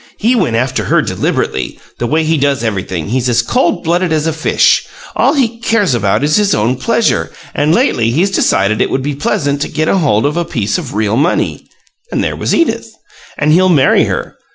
"He went after her deliberately, the way he does everything; he's as cold blooded as a fish. All he cares about is his own pleasure, and lately he's decided it would be pleasant to get hold of a piece of real money and there was Edith! And he'll marry her!